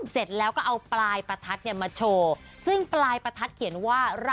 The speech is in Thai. เสร็จแล้วก็เอาปลายประทัดมาโชว์